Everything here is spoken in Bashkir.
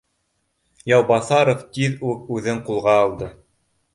Яубаҫаров тиҙ үк үҙен ҡулға алды